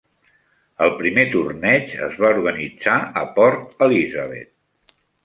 El primer torneig es va organitzar a Port Elizabeth.